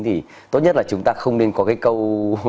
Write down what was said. thì tốt nhất là chúng ta không nên có cái câu